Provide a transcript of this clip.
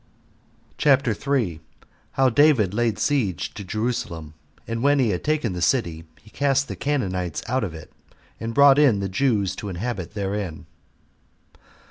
CHAPTER 3. How David Laid Siege To Jerusalem; And When He Had Taken The City, He Cast The Canaanites Out Of It, And Brought In The Jews To Inhabit Therein.